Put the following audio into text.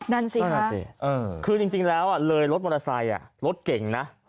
นั่นสิค่ะคือจริงแล้วเลยรถมอเตอร์ไซค์รถเก่งนะ